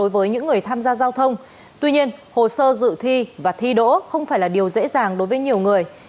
bằng lái xe máy không tuy nhiên hồ sơ dự thi và thi đỗ không phải là điều dễ dàng đối với nhiều người